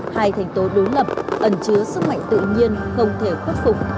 hai thành tố đối lập ẩn chứa sức mạnh tự nhiên không thể khuất phục